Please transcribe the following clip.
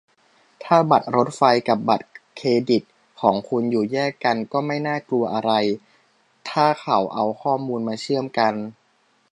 "ถ้าบัตรรถไฟฟ้ากับบัตรเดบิตของคุณอยู่แยกกันก็ไม่น่ากลัวอะไร ถ้าเขาเอาข้อมูลมาเชื่อมกัน"